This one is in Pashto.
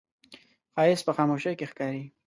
ښایست په خاموشۍ کې ښکاري